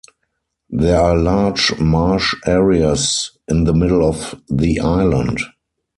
There are large marsh areas in the middle of the island.